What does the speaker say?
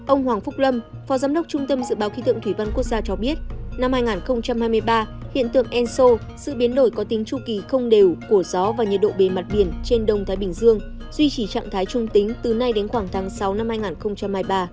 ông hoàng phúc lâm phó giám đốc trung tâm dự báo khí tượng thủy văn quốc gia cho biết năm hai nghìn hai mươi ba hiện tượng enso sự biến đổi có tính tru kỳ không đều của gió và nhiệt độ bề mặt biển trên đông thái bình dương duy trì trạng thái trung tính từ nay đến khoảng tháng sáu năm hai nghìn hai mươi ba